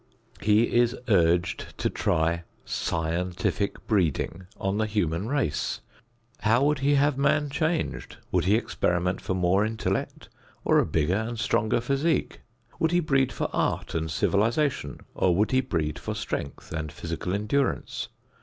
He is urged to try scientific breeding on the human race. How would he have man changed? Would he experiment for more intellect, or a bigger and stronger physique? Would he breed for art and civilization or would he breed for strength and physical endurance?